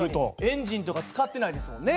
エンジンとか使ってないですもんね。